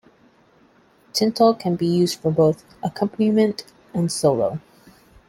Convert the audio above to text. Tintal can be used for both accompaniment and solo.